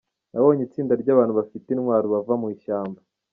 Nabonye itsinda ry’abantu bafite intwaro bava mu ishyamba.